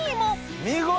見事！